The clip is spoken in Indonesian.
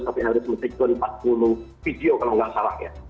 kamu harus sampai hari ke empat puluh video kalau tidak salah